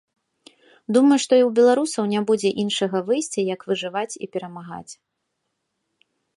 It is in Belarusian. Думаю, што і ў беларусаў не будзе іншага выйсця, як выжываць і перамагаць.